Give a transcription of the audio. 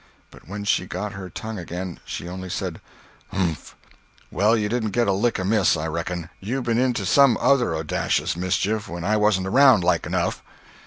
But when she got her tongue again, she only said: "Umf! Well, you didn't get a lick amiss, I reckon. You been into some other audacious mischief when I wasn't around, like enough."